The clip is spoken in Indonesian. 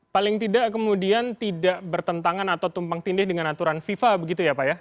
paling tidak kemudian tidak bertentangan atau tumpang tindih dengan aturan fifa begitu ya pak ya